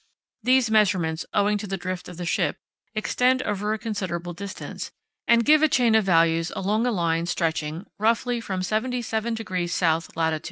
These measurements, owing to the drift of the ship, extend over a considerable distance, and give a chain of values along a line stretching, roughly from 77° S. lat.